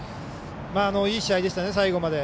いい試合でした、最後まで。